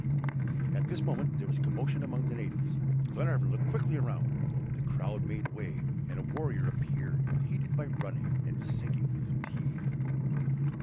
At this moment there was a commotion among the natives. Glenarvan looked quickly around; the crowd made way, and a warrior appeared heated by running, and sinking with fatigue.